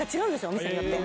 お店によって。